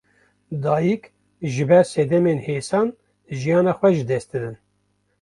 Dayîk, ji ber sedemên hêsan jiyana xwe ji dest didin